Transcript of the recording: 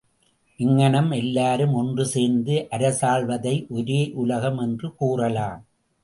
இங்ஙனம் எல்லாரும் ஒன்று சேர்ந்து அரசாள்வதை ஒரே யுலகம் என்று கூறலாம்.